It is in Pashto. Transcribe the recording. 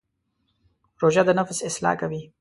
روژه د نفس اصلاح کوي.